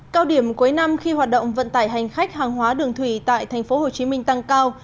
cao điểm cuối năm khi hoạt động vận tải hành khách hàng hóa đường thủy tại tp hcm tăng cao